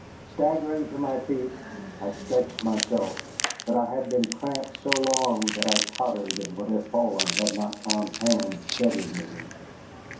Staggering to my feet, I stretched myself, but I had been cramped so long that I tottered and would have fallen had not Tom's hand steadied me.